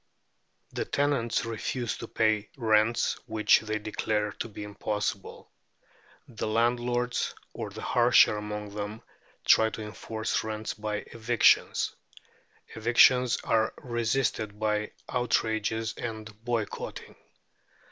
The tenants refuse to pay rents which they declare to be impossible. The landlords, or the harsher among them, try to enforce rents by evictions; evictions are resisted by outrages and boycotting.